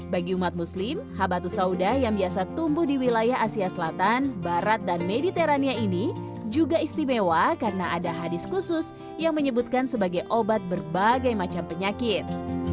bagi umat muslim habatus sauda yang biasa tumbuh di wilayah asia selatan barat dan mediterania ini juga istimewa karena ada hadis khusus yang menyebutkan sebagai obat berbagai macam penyakit